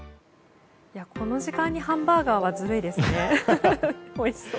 この時間にハンバーガーはずるいですね、おいしそう。